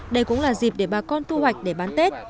đây cũng là dịp để bà con thu hoạch để bán tết